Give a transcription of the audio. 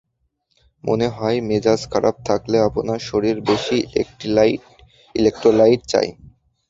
মনে হয় মেজাজ খারাপ থাকলে আপনার শরীর বেশি ইলেকট্রোলাইট চায়।